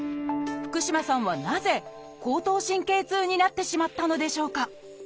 福嶋さんはなぜ後頭神経痛になってしまったのでしょうか？